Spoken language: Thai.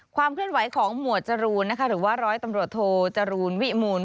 ความเคลื่อนไหวของหมวดจรูนนะคะหรือว่าร้อยตำรวจโทจรูลวิมูล